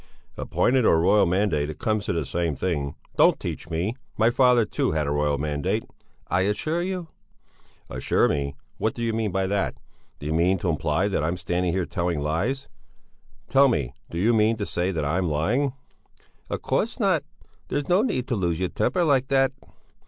"Appointed or royal mandate, it comes to the same thing. Don't teach me! My father, too, had a royal mandate...." "I assure you...." "Assure me what d'you mean by that? D'you mean to imply that I'm standing here telling lies? Tell me, do you mean to say that I'm lying?" "Of course I don't! There's no need to lose your temper like that!"